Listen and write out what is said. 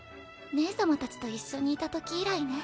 姉様たちと一緒にいたとき以来ね。